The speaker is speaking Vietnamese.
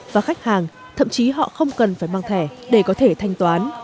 và khách hàng thậm chí họ không cần phải mang thẻ để có thể thanh toán